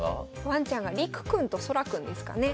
ワンちゃんが陸くんと空くんですかね。